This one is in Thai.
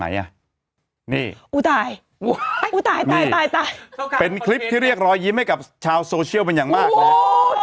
นี่กูตายกูตายตายตายเป็นคลิปที่เรียกรอยยิ้มให้กับชาวโซเชียลเป็นอย่างมากเลย